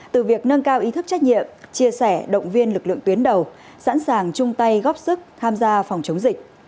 từ việc nâng cao ý thức trách nhiệm chia sẻ động viên lực lượng tuyến đầu sẵn sàng chung tay góp sức tham gia phòng chống dịch